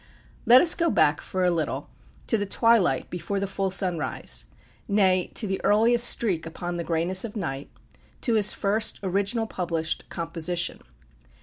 Let us go back for a little to the twilight before the full sunrise, nay, to the earliest streak upon the greyness of night, to his first original published composition.